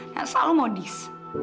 yang selalu modis